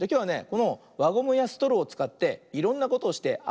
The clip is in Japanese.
このわゴムやストローをつかっていろんなことをしてあそんでみるよ。